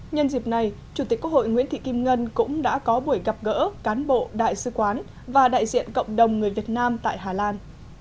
nhân dịp này chủ tịch quốc hội nguyễn thị kim ngân cũng đã có buổi gặp gỡ cán bộ đại sứ quán và đại diện cộng đồng người việt nam tại hà lan